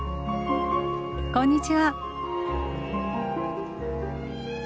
こんにちは。